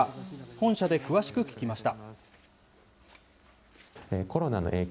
本社で詳しく聞きました。